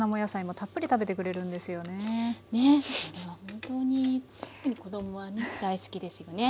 本当に特に子供はね大好きですよね。